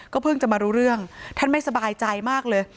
เพิ่งจะมารู้เรื่องท่านไม่สบายใจมากเลย